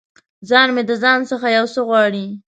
ځان مې د ځان څخه یو څه غواړي